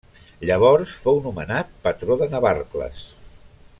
Llavors fou nomenat patró de Navarcles.